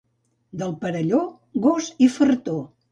Del Perelló, gos i fartó.